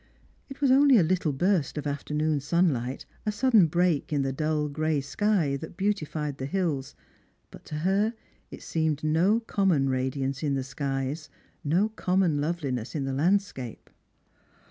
It was only a little burst of afternoon Bunlight, a sudden break in the dull gray sky that beautified the hills, but to her it seemed no common radiance in the skies, no common loveUness in the landscape.